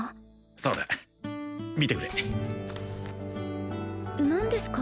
そうだ見てくれ何ですか？